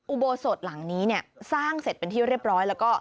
อุโบสถหลังนี้เนี่ยสร้างเสร็จเป็นที่เรียบร้อยแล้วก็